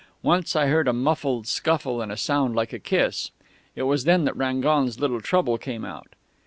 Once I heard a muffled scuffle and a sound like a kiss.... It was then that Rangon's little trouble came out....